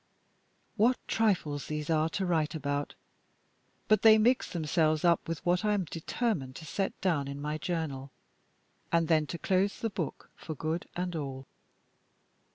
What trifles these are to write about! But they mix themselves up with what I am determined to set down in my Journal, and then to close the book for good and all.